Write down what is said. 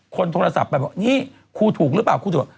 คนโทรศัพท์แบบนี้ครูถูกหรือเปล่า